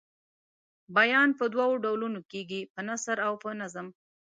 بیان په دوو ډولونو کیږي په نثر او په نظم.